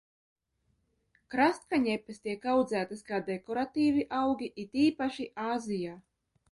Krastkaņepes tiek audzētas kā dekoratīvi augi, it īpaši Āzijā.